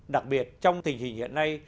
đặc biệt trong tình hình hiện nay